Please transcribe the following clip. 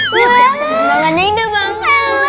menangannya indah banget